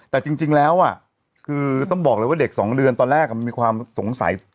แต่จริงแล้วคือต้องบอกเลยว่าเด็ก๒เดือนตอนแรกมีความสงสัย